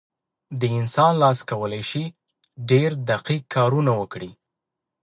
د انسان لاس کولی شي ډېر دقیق کارونه وکړي.